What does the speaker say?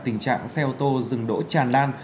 tình trạng xe ô tô rừng đỗ tràn lan